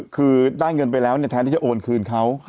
คือได้เงินไปแล้วแทนที่จะโอนคืนเขา